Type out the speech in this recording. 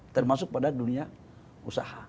termasuk pada dunia usaha